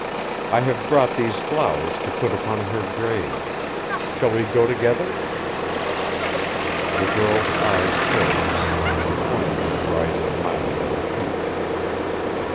I have brought these flowers to put upon her grave. Shall we go together?" The girl's eyes filled, and she pointed to the rising mound at her feet.